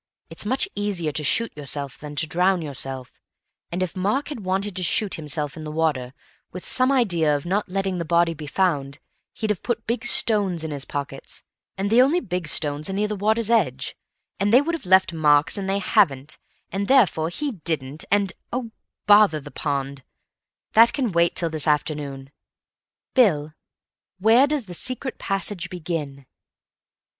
"It's much easier to shoot yourself than to drown yourself, and if Mark had wanted to shoot himself in the water, with some idea of not letting the body be found, he'd have put big stones in his pockets, and the only big stones are near the water's edge, and they would have left marks, and they haven't, and therefore he didn't, and—oh, bother the pond; that can wait till this afternoon. Bill, where does the secret passage begin?"